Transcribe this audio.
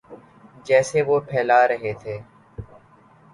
جسے وہ پھیلا رہے تھے۔